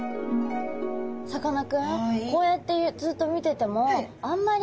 さかなクンこうやってずっと見ててもあんまり動かないんですね。